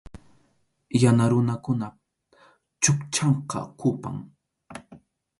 Yana runakunap chukchanqa kʼupam.